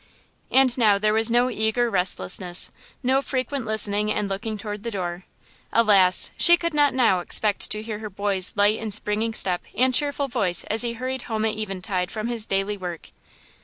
And now there was no eager restlessness; no frequent listening and looking toward the door. Alas! she could not now expect to hear her boy's light and springing step and cheerful voice as he hurried home at eventide from his daily work.